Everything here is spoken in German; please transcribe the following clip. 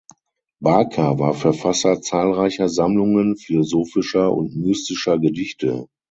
Barka war Verfasser zahlreicher Sammlungen philosophischer und mystischer Gedichte.